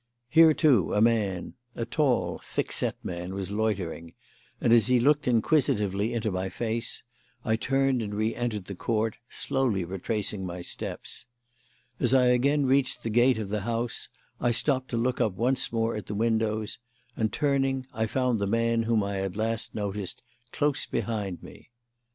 Here, too, a man a tall, thick set man was loitering; and, as he looked inquisitively into my face, I turned and reentered the court, slowly retracing my steps. As I again reached the gate of the house I stopped to look up once more at the windows, and turning, I found the man whom I had last noticed close behind me.